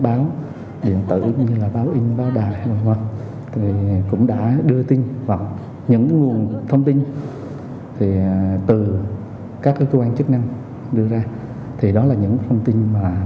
báo điện tử cũng như là báo in báo đài v v thì cũng đã đưa tin vào những nguồn thông tin